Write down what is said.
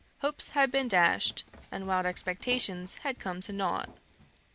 Hopes had been dashed, and wild expectations had come to naught.